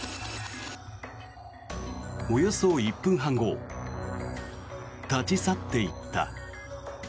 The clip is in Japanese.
およそ１分半後立ち去っていった。